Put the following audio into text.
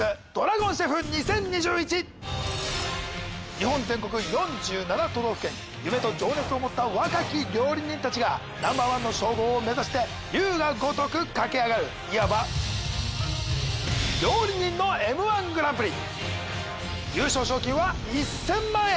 日本全国４７都道府県夢と情熱を持った若き料理人たちがＮｏ．１の称号を目指して竜がごとく駆け上がるいわば料理人のＭ−１グランプリ優勝賞金は１０００万円